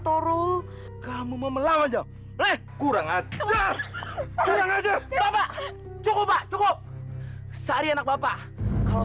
turo kamu mau melawan jokre kurang aja kurang aja bapak cukup